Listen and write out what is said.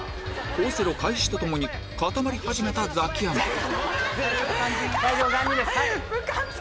オセロ開始とともに固まり始めたザキヤマ最初が肝心です。